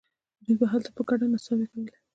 دوی به هلته په ګډه نڅاوې کولې.